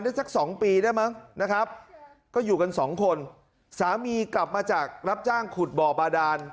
สักสองปีได้มั้งนะครับก็อยู่กันสองคนสามีกลับมาจากรับจ้างขุดบ่อบาดาน